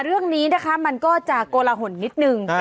เรื่องนี้นะคะมันก็จะโกลหนนิดนึง